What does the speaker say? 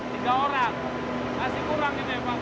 tiga orang masih kurang ini pak